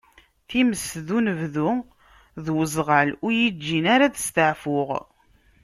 Times d unebdu d uzeɣal ur yi-ǧǧin ara ad steɛfuɣ.